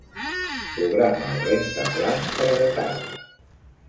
Programa el rentaplats per a la tarda.